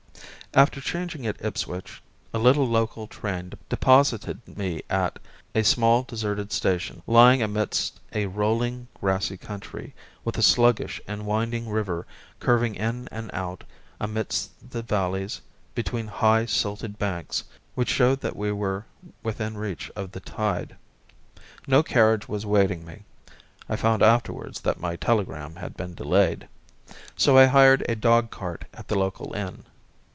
After changing at Ipswich, a little local train deposited me at a small, deserted station lying amidst a rolling grassy country, with a sluggish and winding river curving in and out amidst the valleys, between high, silted banks, which showed that we were within reach of the tide. No carriage was awaiting me (I found afterwards that my telegram had been delayed), so I hired a dogcart at the local inn.